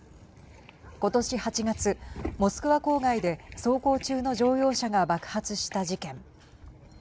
今年８月モスクワ郊外で走行中の乗用車が爆発した事件。